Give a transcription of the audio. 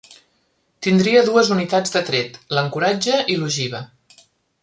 Tindria dues unitats de tret, l'ancoratge i l'ojiva.